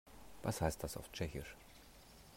Was heißt das auf Tschechisch?